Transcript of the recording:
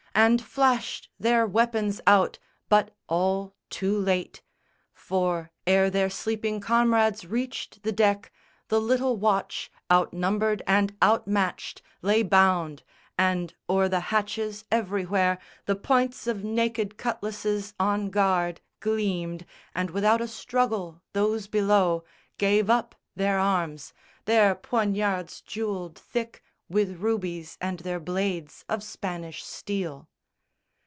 _ And flashed their weapons out, but all too late; For, ere their sleeping comrades reached the deck, The little watch, out numbered and out matched, Lay bound, and o'er the hatches everywhere The points of naked cutlasses on guard Gleamed, and without a struggle those below Gave up their arms, their poignards jewelled thick With rubies, and their blades of Spanish steel.